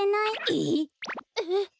えっ？えっ！？